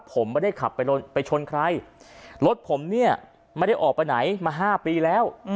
ผมไม่ได้ขับไปชนใครรถผมเนี่ยไม่ได้ออกไปไหนมา๕ปีแล้ว